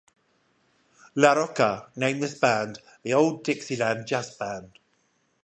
LaRocca named this band 'The Old Dixieland Jass Band'.